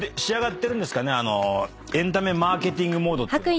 エンタメマーケティングモードっていうのは。